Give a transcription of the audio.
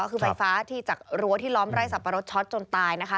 คือไฟฟ้าจากรั้วที่ล้อมไร้สับปะรดช็อตจนตาย